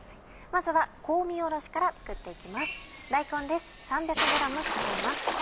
まずは香味おろしから作って行きます。